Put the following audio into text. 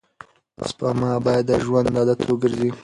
سپما باید د ژوند عادت وګرځي.